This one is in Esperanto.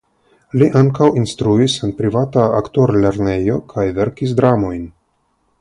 Li ankaŭ instruis en privata aktorlernejo kaj verkis dramojn.